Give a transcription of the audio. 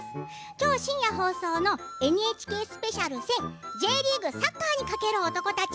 今日、深夜放送のＮＨＫスペシャル「選Ｊリーグサッカーにかける男たち」